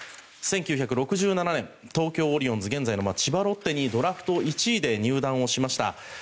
１９６７年、東京オリオンズ現在の千葉ロッテにドラフト１位で入団をしました。